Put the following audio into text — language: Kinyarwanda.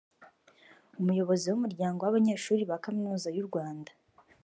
Umuyobozi w’Umuryango w’abanyeshuri ba Kaminuza y’u Rwanda